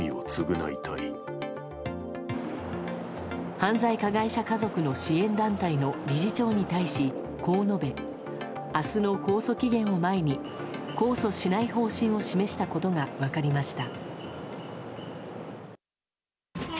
犯罪加害者家族の支援団体の理事長に対し、こう述べ明日の控訴期限を前に控訴しない方針を示したことが分かりました。